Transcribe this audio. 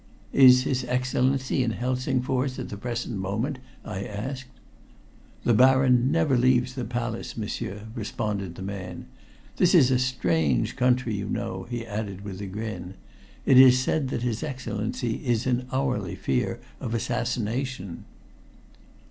"Is his Excellency in Helsingfors at the present moment?" I asked. "The Baron never leaves the Palace, m'sieur," responded the man. "This is a strange country, you know," he added, with a grin. "It is said that his Excellency is in hourly fear of assassination."